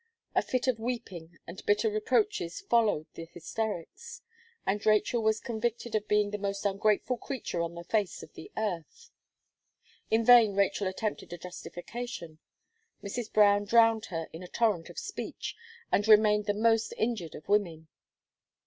A fit of weeping and bitter reproaches followed the hysterics; and Rachel was convicted of being the most ungrateful creature on the face of the earth. In vain Rachel attempted a justification; Mrs. Brown drowned her in a torrent of speech, and remained the most injured of women.